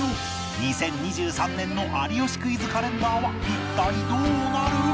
２０２３年の『有吉クイズ』カレンダーは一体どうなる？